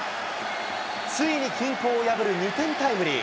ついに均衡を破る２点タイムリー。